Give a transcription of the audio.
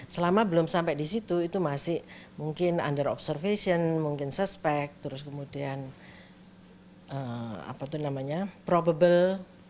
selama belum sampai di situ itu masih mungkin under observation mungkin suspek terus kemudian probable